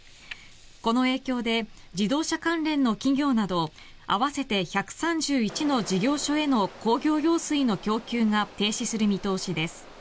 この影響で自動車関連の企業など合わせて１３１の事業所への工業用水の供給が停止する見通しです。